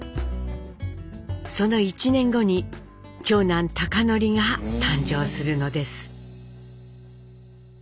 その１年後に長男貴教が誕生するのです。